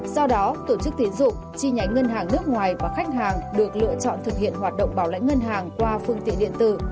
do đó tổ chức tiến dụng chi nhánh ngân hàng nước ngoài và khách hàng được lựa chọn thực hiện hoạt động bảo lãnh ngân hàng qua phương tiện điện tử